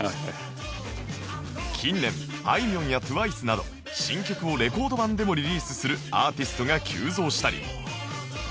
近年あいみょんや ＴＷＩＣＥ など新曲をレコード盤でもリリースするアーティストが急増したり